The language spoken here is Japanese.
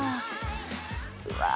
うわ！